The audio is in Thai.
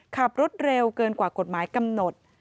ขับรถเร็วเกินกว่ากฎหมายกำหนด